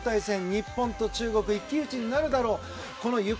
日本と中国の一騎打ちになるだろう。